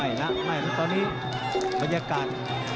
ไม่แต่ตอนนี้บรรยากาศ